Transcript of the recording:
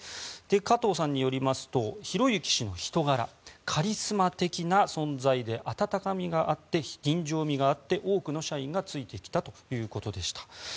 加藤さんによりますと宏行氏の人柄カリスマ的な存在で温かみがあって人情味があって多くの社員がついてきたということでした。